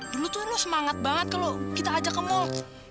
dulu tuh lo semangat banget kalau kita ajak ke mall